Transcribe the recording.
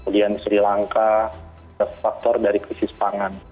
dian sri lanka faktor dari krisis pangan